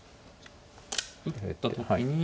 打った時に。